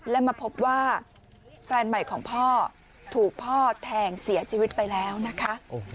และมาพบว่าแฟนใหม่ของพ่อถูกพ่อแทงเสียชีวิตไปแล้วนะคะ